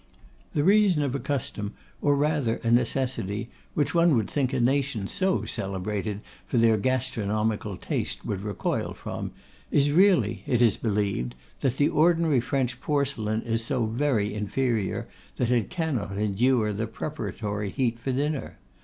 The reason of a custom, or rather a necessity, which one would think a nation so celebrated for their gastronomical taste would recoil from, is really, it is believed, that the ordinary French porcelain is so very inferior that it cannot endure the preparatory heat for dinner.